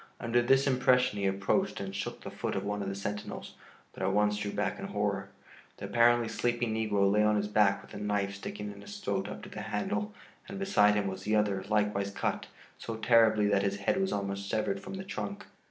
Under this impression he approached and shook the foot of one of the sentinels, but at once drew back in horror. The apparently sleeping negro lay on his back with a knife sticking in his throat up to the handle and beside him was the other, likewise cut so terribly that his head was almost severed from the trunk.